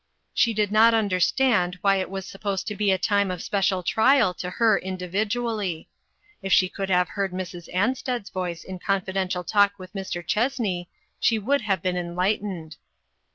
She did not understand why it was supposed to be a time of special trial to her individ ually. If she could have heard Mrs. An sted's voice in confidential talk with Mr. Chessney, she would have been enlight ened.